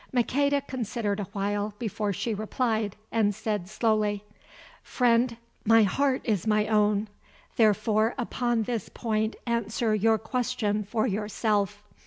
Maqueda considered awhile before she replied, and said slowly: "Friend, my heart is my own, therefore upon this point answer your question for yourself.